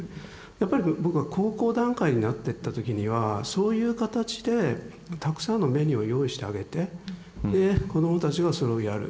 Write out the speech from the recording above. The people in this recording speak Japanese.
やっぱり僕は高校段階になってった時にはそういう形でたくさんのメニューを用意してあげてで子どもたちがそれをやる。